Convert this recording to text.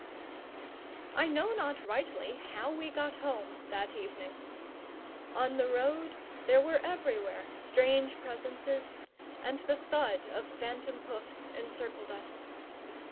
I know not rightly how we got home that evening. On the road there were everywhere strange presences, and the thud of phantom hoofs encircled us.